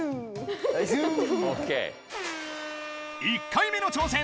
１回目の挑戦！